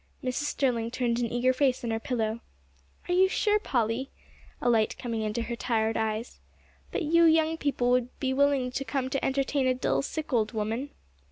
Mrs. Sterling turned an eager face on her pillow. "Are you sure, Polly," a light coming into her tired eyes, "that you young people would be willing to come to entertain a dull, sick, old woman?"